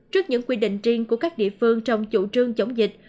trước những quy định riêng của các địa phương trong chủ trương chống dịch